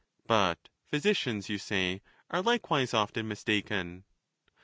But physicians, you say, are likewise often mistaken.